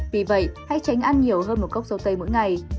vì vậy hãy tránh ăn nhiều hơn một cốc dâu tây mỗi ngày